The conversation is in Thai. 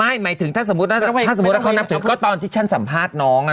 ไม่หมายถึงถ้าสมมุติว่าเขานักผิดก็ตอนที่ฉันสัมภาษณ์น้องนะ